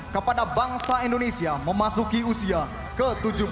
kepada bangsa indonesia memasuki usia ke tujuh puluh dua